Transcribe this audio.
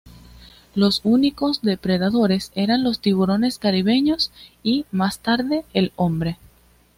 Sus únicos depredadores eran los tiburones caribeños y, más tarde, el hombre.